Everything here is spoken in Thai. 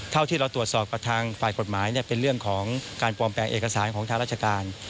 เท่าที่เราตรวจสอบกับทางฝ่ายกฎหมายเป็นเรื่องของการปลอมแปลงเอกสารของทางราชการ